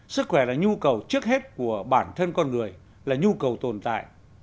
sức khỏe là nhu cầu trước hết của bản thân con người là nhu cầu tồn tại